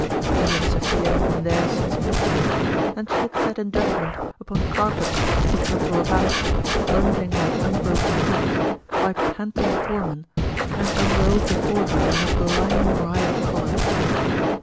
He and Sophia had been there since midday; and she had sat in judgment upon carpets which were brought out, plung ing like unbroken colts, by panting foremen, and unrolled before her in a blinding riot of color.